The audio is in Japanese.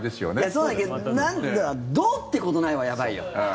そうだけど、なんかどうってことないはやばいよ。